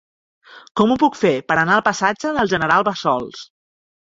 Com ho puc fer per anar al passatge del General Bassols?